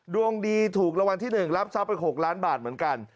ดวงดีถูกรางวัลที่๑รับทรัพย์ไป๖ล้านบาทเหมือนกัน